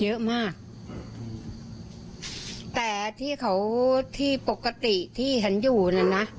เยอะมากแต่ที่เขาที่ปกติที่ฉันอยู่น่ะนะ